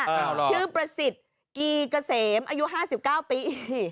ชื่อประสิทธิ์กีเกษมอายุห้าสิบเก้าปี